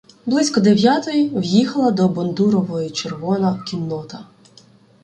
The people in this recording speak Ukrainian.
Близько дев'ятої в'їхала до Бондурової червона кіннота.